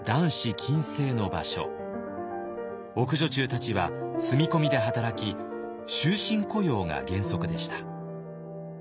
奥女中たちは住み込みで働き終身雇用が原則でした。